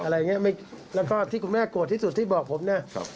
แล้วก็ที่คุณแม่โกรธที่สุดที่บอกผมนะ